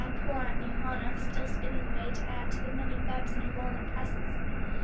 poor Aunt Johanna still spinning away to add to the many webs in her walnut presses!)